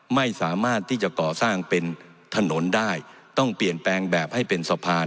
ไม่สามารถที่จะก่อสร้างเป็นถนนได้ต้องเปลี่ยนแปลงแบบให้เป็นสะพาน